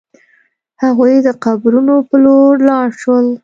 هغوی د قبرونو په لور لاړ شول.